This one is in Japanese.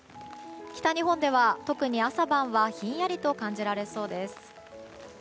北日本では特に朝晩はひんやりと感じられそうです。